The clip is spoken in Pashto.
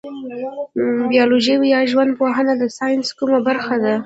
بیولوژي یا ژوند پوهنه د ساینس کومه برخه ده